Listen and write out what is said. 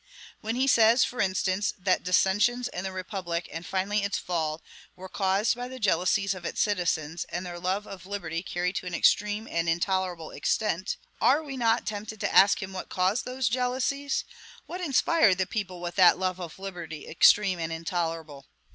When he says, for instance, that "the dissensions in the republic, and finally its fall, were caused by the jealousies of its citizens, and their love of liberty carried to an extreme and intolerable extent," are we not tempted to ask him what caused those JEALOUSIES? what inspired the people with that LOVE OF LIBERTY, EXTREME AND INTOLERABLE?